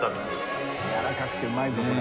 やわらかくてうまいぞこれ。